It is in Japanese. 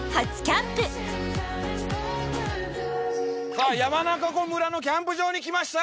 さあ山中湖村のキャンプ場に来ました。